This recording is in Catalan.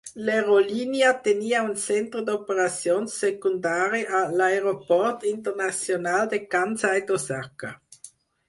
L'aerolínia tenia un centre d'operacions secundari a l'Aeroport Internacional de Kansai d'Osaka.